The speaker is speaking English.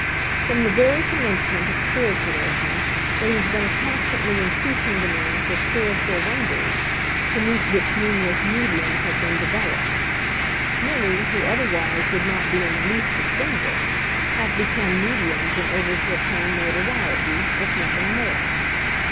From the very commencement of spiritualism, there has been a constantly increasing demand for "spiritual" wonders, to meet which numerous "mediums" have been "developed." Many, who otherwise would not be in the least distinguished, have become "mediums" in order to obtain notoriety, if nothing more.